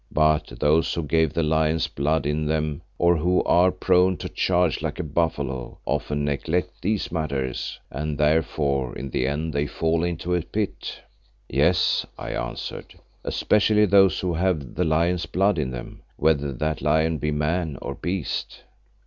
But those who have the Lion's blood in them or who are prone to charge like a buffalo, often neglect these matters and therefore in the end they fall into a pit." "Yes," I answered, "especially those who have the lion's blood in them, whether that lion be man or beast."